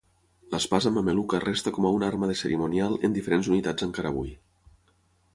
L'espasa mameluca resta com a una arma de cerimonial en diferents unitats encara avui.